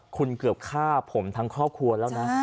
คุณเกือบฆ่าผมทั้งครอบครัวแล้วนะ